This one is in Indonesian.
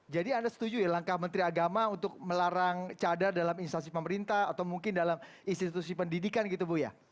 jadi anda setuju ya langkah menteri agama untuk melarang cadar dalam instansi pemerintah atau mungkin dalam institusi pendidikan gitu buya